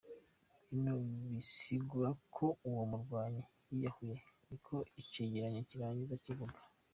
"Bino bisigura ko uwo murwanyi yiyahuye," niko icegeranyo kirangiza kivuga.